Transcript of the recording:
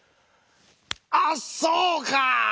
「あっそうか！